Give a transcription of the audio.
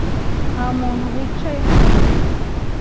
Nta muntu wicaye hano.